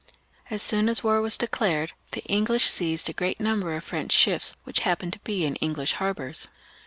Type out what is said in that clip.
As soon as war was declared, the English seized a great number of French ships which happened to be in English harbours.